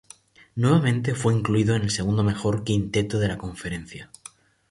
Nuevamente fue incluido en el segundo mejor quinteto de la conferencia.